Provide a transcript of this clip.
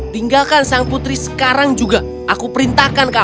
tinggalkan sang putri sekarang juga aku perintahkan kau